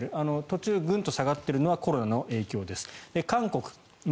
途中、グンと下がっているのはコロナの影響です。